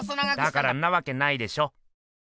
だからんなわけないでしょ。